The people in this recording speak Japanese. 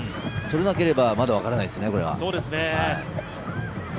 取れなければまだ分からないですね、これは。